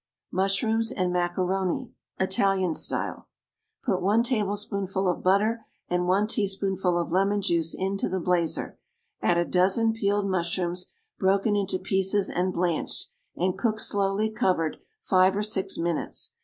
=Mushrooms and Macaroni.= (Italian style.) Put one tablespoonful of butter and one teaspoonful of lemon juice into the blazer; add a dozen peeled mushrooms, broken into pieces and blanched, and cook slowly, covered, five or six minutes.